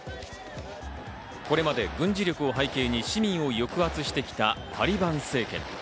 これまで軍事力を背景に市民を抑圧してきたタリバン政権。